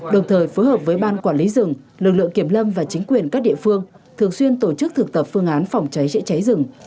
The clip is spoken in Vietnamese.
đồng thời phối hợp với ban quản lý rừng lực lượng kiểm lâm và chính quyền các địa phương thường xuyên tổ chức thực tập phương án phòng cháy chữa cháy rừng